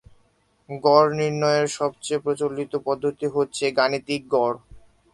গড় নির্ণয়ের সবচেয়ে প্রচলিত পদ্ধতি হচ্ছে গাণিতিক গড়।